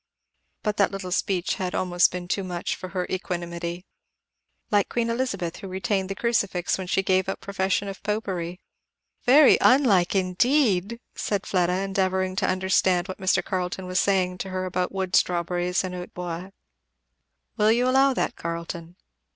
But that little speech had almost been too much for her equanimity. "Like Queen Elizabeth who retained the crucifix when she gave up the profession of popery." "Very unlike indeed!" said Fleda, endeavouring to understand what Mr. Carleton was saying to her about wood strawberries and hautbois. "Will you allow that, Carleton?"